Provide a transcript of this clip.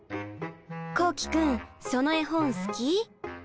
こうき君その絵本好き？